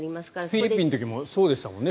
フィリピンの時もそうでしたもんね。